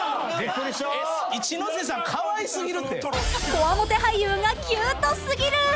［こわもて俳優がキュートすぎる！］